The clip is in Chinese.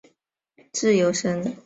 目前为自由身。